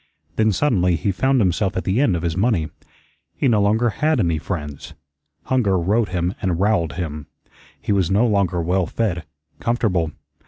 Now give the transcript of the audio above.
Then suddenly he found himself at the end of his money. He no longer had any friends. Hunger rode him and rowelled him. He was no longer well fed, comfortable.